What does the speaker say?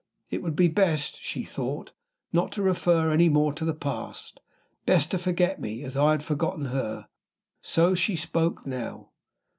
It would be best (she thought) not to refer any more to the past, best to forget me, as I had forgotten her. So she spoke now.